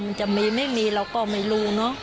มันจะมีไม่มีเราก็ไม่รู้เนอะ